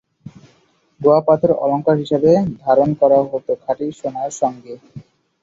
গোয়া পাথর অলংকার হিসেবে ধারণ করা হতো খাঁটি সোনার সংগে।